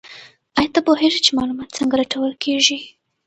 ایا ته پوهېږې چې معلومات څنګه لټول کیږي؟